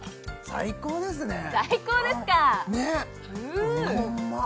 最高ですかねっ・